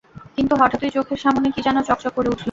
কিন্তু হঠাৎই চোখের সামনে কী যেন চকচক করে উঠল।